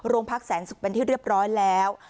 โรงพักแสนสุขเป็นที่เรียบร้อยแล้ว